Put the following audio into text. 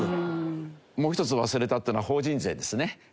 もう一つ忘れたっていうのは法人税ですね。